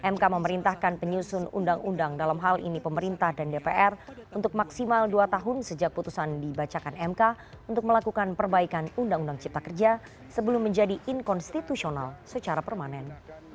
mk memerintahkan penyusun undang undang dalam hal ini pemerintah dan dpr untuk maksimal dua tahun sejak putusan dibacakan mk untuk melakukan perbaikan undang undang cipta kerja sebelum menjadi inkonstitusional secara permanen